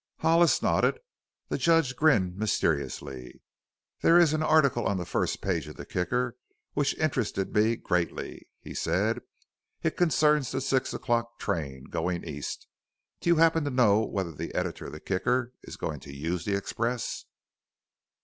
Hollis nodded. The Judge grinned mysteriously. "There is an article on the first page of the Kicker which interested me greatly," he said. "It concerns the six o'clock train going east. Do you happen to know whether the editor of the Kicker is going to use the express?"